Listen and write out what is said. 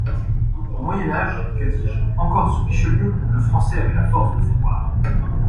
Au Moyen Âge, que dis-je ? encore sous Richelieu, le Français avait la force de vouloir.